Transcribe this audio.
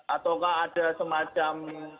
ataukah ada semacam